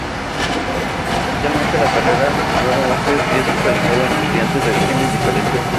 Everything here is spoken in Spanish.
Especialmente la carrera nueva master es focalizado en estudiantes de orígenes diferentes.